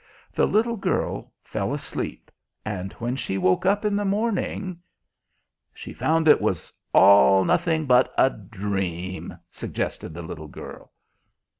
The little girl fell asleep, and when she woke up in the morning "She found it was all nothing but a dream," suggested the little girl.